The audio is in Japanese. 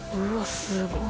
すごい！